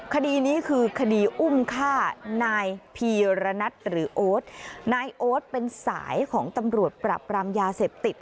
คดีนี้คือคดีอุ้มฆ่านายพีรณัทหรือโอ๊ตนายโอ๊ตเป็นสายของตำรวจปรับปรามยาเสพติด